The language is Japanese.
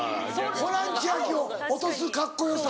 ホラン千秋を落とすカッコよさ。